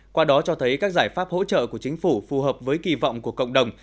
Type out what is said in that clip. qua đó cho thấy các giải pháp hỗ trợ của chính phủ phù hợp với kỳ vọng của cộng đồng